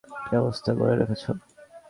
কী অবস্থা করে রেখেছ?